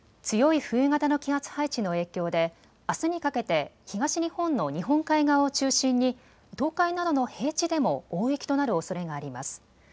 強い冬型の気圧配置の影響であすにかけて東日本の日本海側を中心に東海などの平地でも大雪となるおそれがあります。